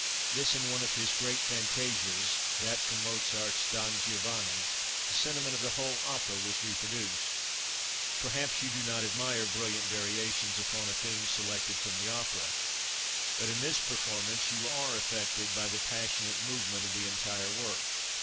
Thus in one of his great fantasias, that from Mozart's "Don Giovanni," the sentiment of the whole opera was reproduced. Perhaps you do not admire brilliant variations upon a theme selected from the opera, but in this performance you are affected by the passionate movement of the entire work.